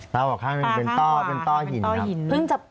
ตาบอดข้างหนึ่งเป็นต้อหินครับ